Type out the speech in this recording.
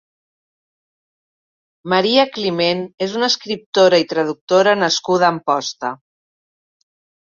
Maria Climent és una escriptora i traductora nascuda a Amposta.